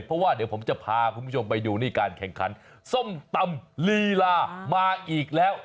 เพราะว่าเดี๋ยวผมจะพาคุณผู้ชมไปดูนี่การแข่งขันส้มตำลีลามาอีกแล้ว